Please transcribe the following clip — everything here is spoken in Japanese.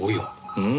うん。